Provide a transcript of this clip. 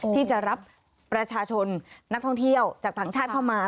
ที่จะรับประชาชนนักท่องเที่ยวจากต่างชาติเข้ามา